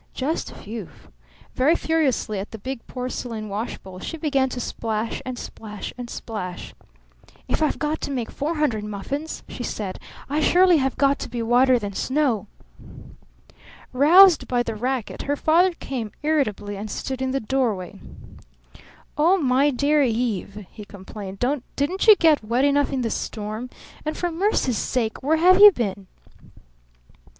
Just "Whew!" Very furiously at the big porcelain washbowl she began to splash and splash and splash. "If I've got to make four hundred muffins," she said, "I surely have got to be whiter than snow!" Roused by the racket, her father came irritably and stood in the doorway. "Oh, my dear Eve!" he complained, "didn't you get wet enough in the storm? And for mercy's sake where have you been?"